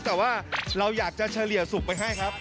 แต่ว่าเราอยากจะเฉลี่ยสุกไปให้ครับ